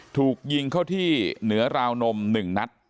ถูกยิงเข้าที่เหนือราวนม๑นัด